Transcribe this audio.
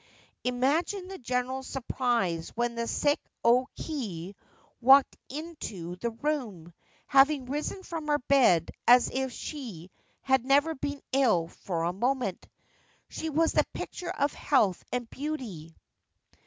Imagine the general surprise when the sick O Kei walked into the room, having risen from her bed as if she had never been ill for a moment. She was the picture of health and beauty.